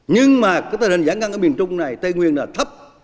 nhưng mà cái tài năng giải ngăn ở miền trung này tây nguyên là thấp